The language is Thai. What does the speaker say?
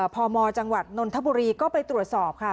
พมจังหวัดนนทบุรีก็ไปตรวจสอบค่ะ